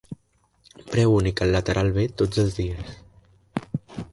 Preu únic al lateral B tots els dies